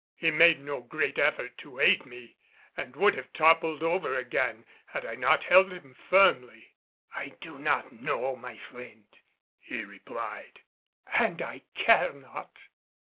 He made no great effort to aid me and would have toppled over again had I not held him firmly. "I do not know, my friend," he replied, "and I care not."